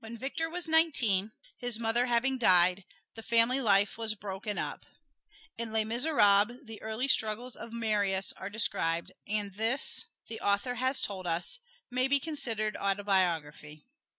When Victor was nineteen, his mother having died, the family life was broken up. In "Les Miserables" the early struggles of Marius are described; and this, the author has told us, may be considered autobiography.